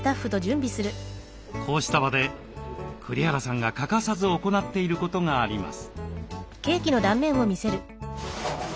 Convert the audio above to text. こうした場で栗原さんが欠かさず行っていることがあります。